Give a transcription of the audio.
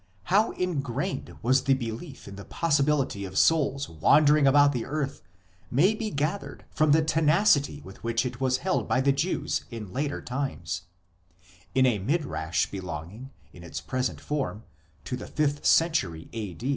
How ingrained was the belief in the possi bility of souls wandering about the earth may be gathered from the tenacity with which it was held by the Jews in later times ; in a Midrash belonging, in its present form, to the fifth century A.